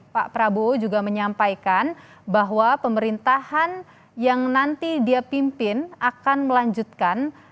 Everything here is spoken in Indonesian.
pak prabowo juga menyampaikan bahwa pemerintahan yang nanti dia pimpin akan melanjutkan